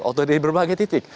atau dari berbagai titik